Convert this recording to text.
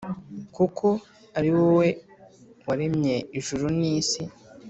kuko ari wowe waremye ijuru n’isi.